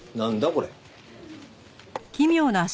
これ。